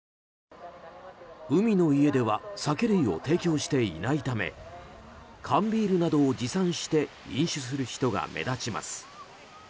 海の家では酒類を提供していないため缶ビールなどを持参して飲酒する人が目立ちます。